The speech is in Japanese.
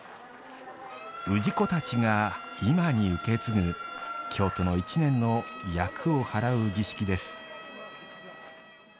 氏子たちが今に受け継ぐ京都の１年の災厄を払う儀式です。